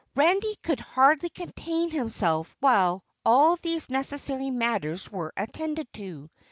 Randy could hardly contain himself while all these necessary matters were attended to.